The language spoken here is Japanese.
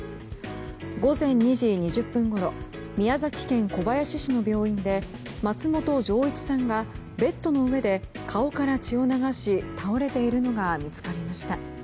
午前２時２０分ごろ宮崎県小林市の病院で松元丈一さんがベッドの上で顔から血を流し倒れているのが見つかりました。